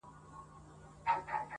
سياسي نقد ته بيايي,